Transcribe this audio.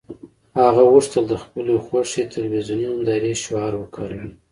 هغه غوښتل د خپلې خوښې تلویزیوني نندارې شعار وکاروي